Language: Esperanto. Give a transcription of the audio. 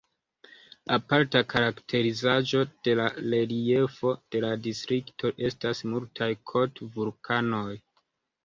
Aparta karakterizaĵo de la reliefo de la distrikto estas multaj kot-vulkanoj.